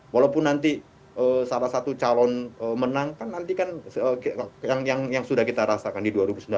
walaupun nanti salah satu calon menang kan nanti kan yang sudah kita rasakan di dua ribu sembilan belas